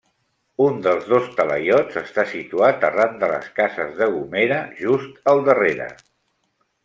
Un dels dos talaiots està situat arran de les cases de Gomera, just al darrere.